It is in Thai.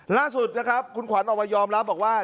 ล่าสุดนะครับคุณขวัญออกมายอมรับบอกว่า